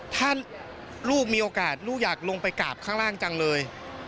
ถ้าลูกมีโอกาสลูกอยากลงไปกราบข้างล่างจังเลย